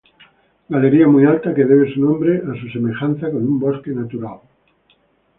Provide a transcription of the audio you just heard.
Galería muy alta que debe su nombre a su semejanza con un bosque natural.